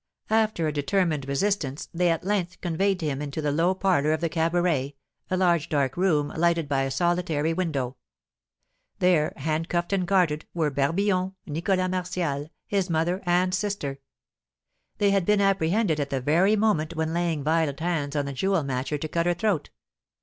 After a determined resistance they at length conveyed him into the low parlour of the cabaret, a large dark room, lighted by a solitary window. There, handcuffed and guarded, were Barbillon, Nicholas Martial, his mother and sister. They had been apprehended at the very moment when laying violent hands on the jewel matcher to cut her throat.